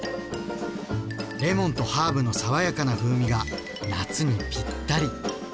レモンとハーブの爽やかな風味が夏にぴったり。